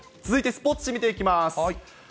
続いてスポーツ紙、見ていきます。